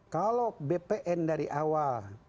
kalau bpn dari awal